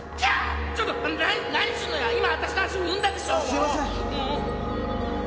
すいません。